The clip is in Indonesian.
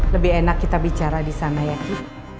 lebih enak kita bicara di sana ya ki